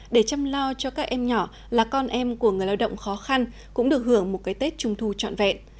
để chăm lo cho các em nhỏ là con em của người lao động khó khăn cũng được hưởng một cái tết trung thu trọn vẹn